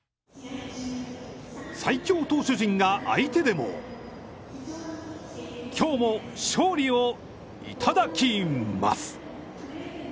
最強投手陣が相手でもきょうも勝利をいただきます。